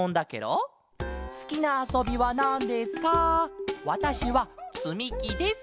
「すきなあそびはなんですか？わたしはつみきです」。